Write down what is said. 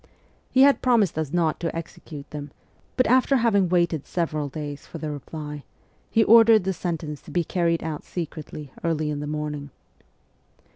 He had promised us not to exe cute them, but after having waited several days for the reply, he ordered the sentence to be. carried out secretly early in the morning.